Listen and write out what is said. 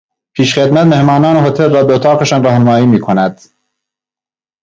پیشخدمت مهمانان هتل را به اتاقشان راهنمایی میکند.